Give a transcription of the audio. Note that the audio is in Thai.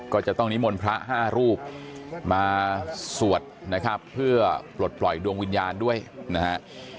ก็จะต้องนิมนต์พระ๕รูปมาสวดนะครับเพื่อปลดปล่อยดวงวิญญาณด้วยนะฮะ